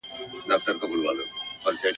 چي ستا په مخ کي د خالق د کور ښکلا ووینم ..